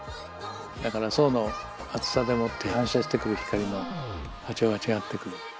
だから層の厚さでもって反射してくる光の波長が違ってくる。